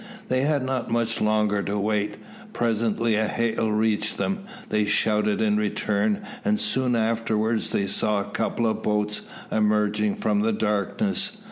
They had not much longer to wait. Presently a hail reached them; they shouted in return, and soon afterwards they saw a couple of boats emerging from the darkness.